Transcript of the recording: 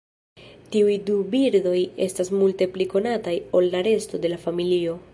Tiuj du birdoj estas multe pli konataj ol la resto de la familio.